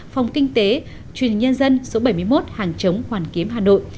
phòng kinh tế chuyên nhân dân số bảy mươi một hàng chống hoàn kiếm hà nội